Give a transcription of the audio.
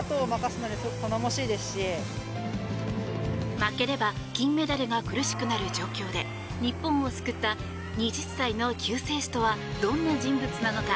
負ければ金メダルが苦しくなる状況で日本を救った２０歳の救世主とはどんな人物なのか。